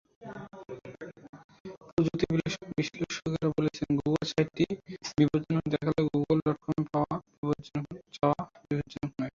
প্রযুক্তি বিশ্লেষকেরা বলছেন, গুগল সাইটটি বিপজ্জনক দেখালেও গুগল ডটকমে যাওয়া বিপজ্জনক নয়।